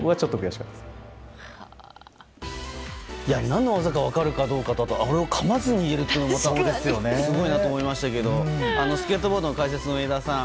何の技か分かるかどうかとあと、あれをかまずに言えるというのがすごいなと思いましたけどスケートボードの解説の上田さん